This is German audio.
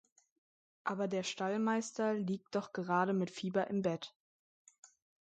Aber der Stallmeister liegt doch gerade mit Fieber im Bett.